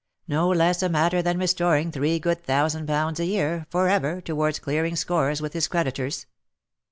" No less a matter than restoring three good thousand pounds a year, for ever, towards clearing scores with his creditors."